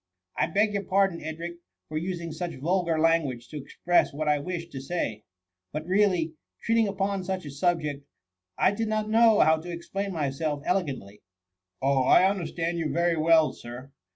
I beg your pardon, Edric, for using such vulgar language to express what I wished to say, but really, treating upon such a subject, I did not know how to explain myself elegantly.'' *^ Oh ! I understood you very well. Sir.